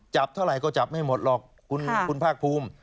จับเท่าไหร่ก็จับไม่หมดหรอกคุณภาคภูมิ